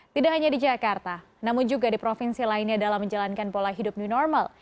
tidak hanya di jakarta namun juga di provinsi lainnya dalam menjalankan pola hidup new normal